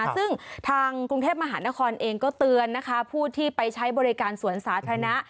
ซึ่งทางกรุงเทพมหานครเองก็เตือนนะคะผู้ที่ไปใช้บริการสวนสาธารณะ